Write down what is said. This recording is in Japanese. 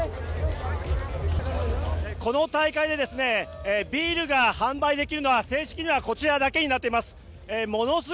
この大会でビールが販売できるのは正式にはこちらだけになっています。